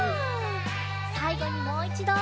さいごにもういちど。